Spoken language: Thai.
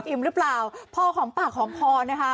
อิ่มหรือเปล่าพ่อของปากของพ่อนะคะ